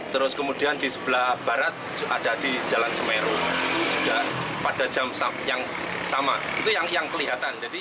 terus kemudian di sebelah barat ada di jalan semeru juga pada jam yang sama itu yang kelihatan